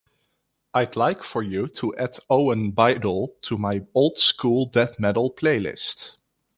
I'd like for you to add Owen Biddle to my Old School Death Metal playlist.